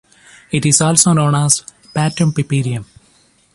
It is also known as Patum Peperium.